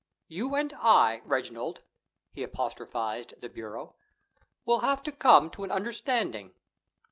"You and I, Reginald," he apostrophized the bureau, "will have to come to an understanding.